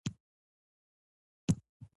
د پښتنو ځینې دودونه د پرمختګ دښمنان دي.